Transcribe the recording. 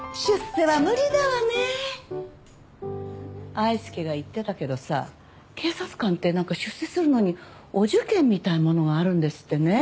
愛介が言ってたけどさ警察官ってなんか出世するのにお受験みたいなものがあるんですってねえ。